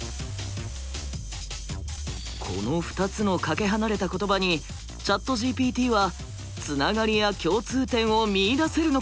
この２つのかけ離れた言葉にＣｈａｔＧＰＴはつながりや共通点を見いだせるのか？